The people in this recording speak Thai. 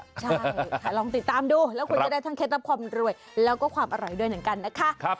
ใช่ค่ะลองติดตามดูแล้วคุณจะได้ทั้งเคล็ดลับความรวยแล้วก็ความอร่อยด้วยเหมือนกันนะคะ